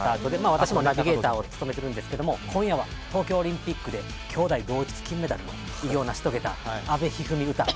私もナビゲーターやってますが今夜は東京オリンピックできょうだい同日金メダルの偉業を成し遂げた阿部一二三、詩。